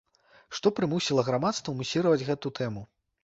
Што прымусіла грамадства мусіраваць гэту тэму?